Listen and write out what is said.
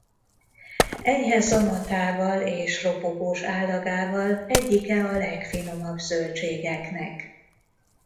Enyhe zamatával és ropogós állagával egyike a legfinomabb zöldségeknek.